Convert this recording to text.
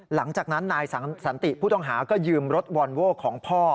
หลังจากนั้นนายสันติผู้ต้องหาก็ยืมรถวอนโว้ของพ่อ